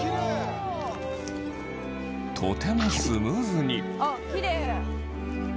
とてもスムーズに。